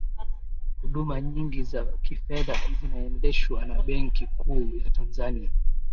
huduma nyingi za kifedha zinaendeshwa na benki kuu ya tanzania